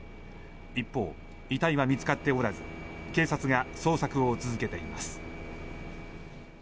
一方、遺体は見つかっておらず警察が捜索を続けています。